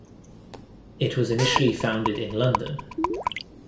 It was initially founded in London.